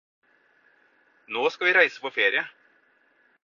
Nå skal vi reise på ferie.